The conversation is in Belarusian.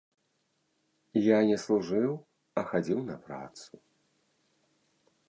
Я не служыў, а хадзіў на працу.